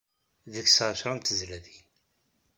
Deg-s εecra n tezlatin.